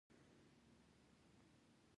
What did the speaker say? چارمغز د زړه حملې خطر کموي.